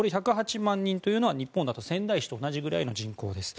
１０８万人というのは日本だと仙台市と同じくらいの人口です。